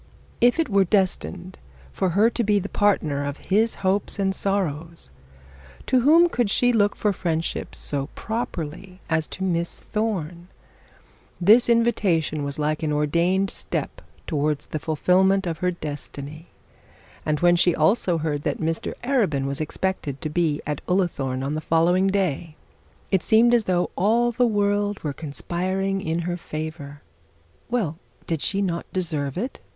If it were destined for her to be the partner of his hopes and sorrows, to whom she could she look for friendship so properly as to Miss Thorne? This invitation was like an ordained step towards the fulfilment of her destiny, and when she also heard that Mr Arabin was expected to be at Ullathorne on the following day, it seemed as though all the world was conspiring in her favour. Well, did she not deserve it?